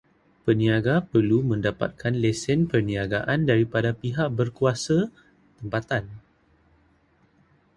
Peniaga perlu mendapatkan lesen peniagaan daripada pihak berkuasa tempatan.